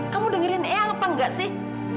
kamu dengerin eh apa enggak sih